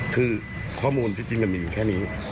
คือข้อมูลจริงไปมีแค่นี้